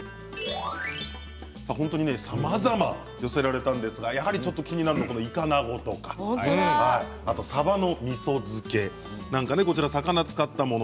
本当にさまざま寄せられたんですがやはりちょっと気になるのがイカナゴとかさばのみそ漬け魚を使ったもの。